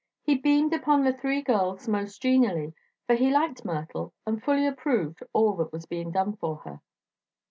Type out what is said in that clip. He beamed upon the three girls most genially, for he liked Myrtle and fully approved all that was being done for her.